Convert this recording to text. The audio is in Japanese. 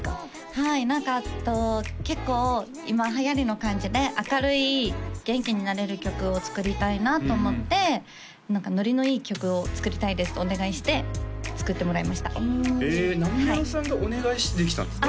はい何か結構今はやりの感じで明るい元気になれる曲を作りたいなと思って何か「ノリのいい曲を作りたいです」とお願いして作ってもらいましたあっへえなみめろさんがお願いしてできたんですか？